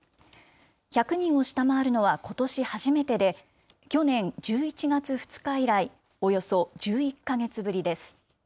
１００人を下回るのはことし初めてで、去年１１月２日以来、およそ１１か月ぶりです。